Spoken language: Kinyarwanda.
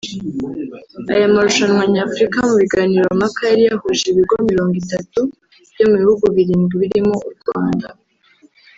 Aya marushanwa Nyafurika mu biganirompaka yari yahuje ibigo mirongo itatu byo mu bihugu birindwi birimo u Rwanda